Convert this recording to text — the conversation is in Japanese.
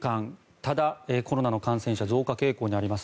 ただ、コロナの感染者は増加傾向にあります。